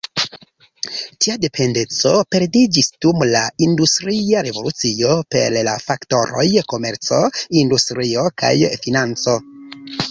Tia dependeco perdiĝis dum la industria revolucio per la faktoroj komerco, industrio kaj financo.